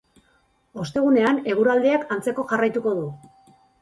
Ostegunean, eguraldiak antzeko jarraituko du.